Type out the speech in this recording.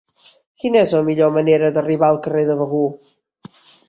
Quina és la millor manera d'arribar al carrer de Begur?